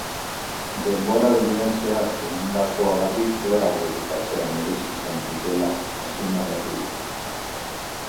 Denboraldian zehar egindakoagatik gorago bukatzea merezi izan dutela azpimarratu du.